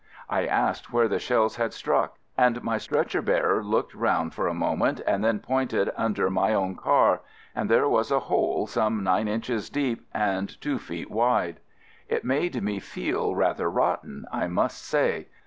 I asked where the shells had struck, and my stretcher bearer looked around for a moment and then pointed under my own car, and there was a hole some nine inches deep and two feet wide. It made me feel rather rotten, I must say.